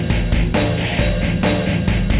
gue nggak mau ada musuh